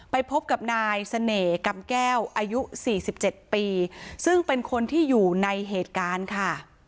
ไปพบกับนายเสน่ห์กำแก้วอายุ๔๗ปีซึ่งเป็นคนที่อยู่ในเหตุการณ์ค่ะ